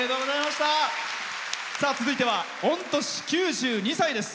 続いては御年９２歳です。